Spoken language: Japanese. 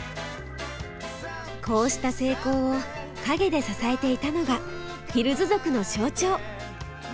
こうした成功を陰で支えていたのがヒルズ族の象徴！